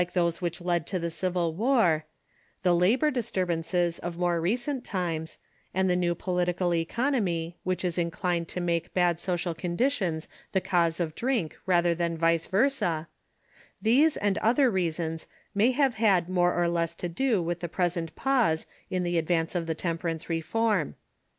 THE TEMPERANCE EEFOKM 601 which led to the Civil War ; the labor disturbances of more recent times ; and the new political economy, which is inclined to make bad social conditions the cause of drink rather than vice versa — these and other reasons may have had more or less to do with the present pause in the advance of the temper ance reform.